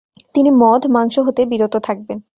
তিনি মদ, মাংস হতে বিরত থাকবেন।